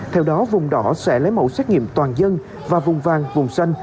theo đó vùng đỏ sẽ lấy mẫu xét nghiệm toàn dân và vùng vàng vùng xanh